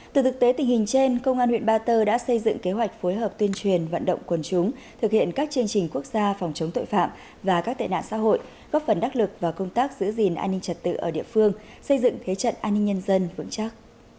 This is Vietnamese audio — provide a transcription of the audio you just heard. từ thực tế tình hình trên công an huyện ba tơ đã xây dựng kế hoạch phối hợp tuyên truyền vận động quần chúng thực hiện các chương trình quốc gia phòng chống tội phạm và các tệ nạn xã hội góp phần đắc lực vào công tác giữ gìn an ninh trật tự ở địa phương xây dựng thế trận an ninh nhân dân vững chắc